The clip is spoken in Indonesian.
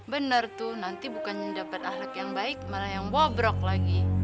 benar tuh nanti bukan dapat ahlak yang baik malah yang bobrok lagi